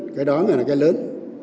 cái đó mà là cái lớn